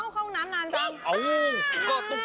ความเชื้อของตังตามนะคุณ